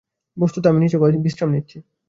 বস্তুত আমি নিছক বিশ্রাম নিচ্ছি।